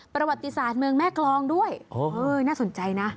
ประวัติศาสตร์เมืองแม่กรองด้วยน่าสนใจนะ